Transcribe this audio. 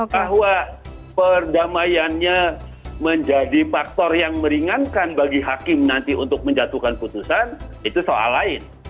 bahwa perdamaiannya menjadi faktor yang meringankan bagi hakim nanti untuk menjatuhkan putusan itu soal lain